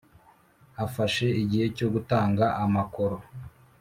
afashe igihe cyo gutanga amakoro